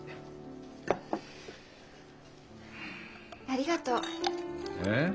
ありがとう。えっ？